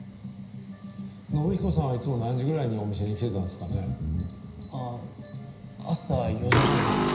信彦さんはいつも何時ぐらいにお店に来てたんですかね？ああ朝４時頃です。